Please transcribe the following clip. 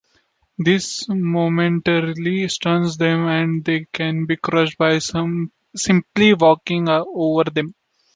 This momentarily stuns them and they can be crushed by simply walking over them.